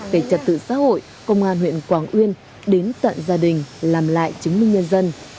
về trật tự xã hội công an huyện quảng uyên đến tận gia đình làm lại chứng minh nhân dân